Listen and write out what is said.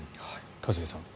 一茂さん。